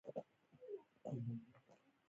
دا زوړ دی